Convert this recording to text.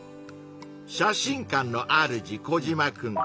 写真館のあるじコジマくん。